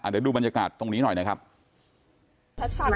นะฮะเดี๋ยวดูบรรยากาศตรงนี้หน่อยนะครับหน่อยนะครับ